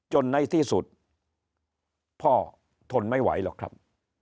ในที่สุดพ่อทนไม่ไหวหรอกครับ